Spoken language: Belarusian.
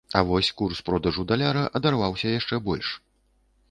А вось курс продажу даляра адарваўся яшчэ больш.